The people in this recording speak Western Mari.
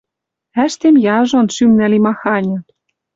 Ӓштем яжон, шӱмнӓ ли маханьы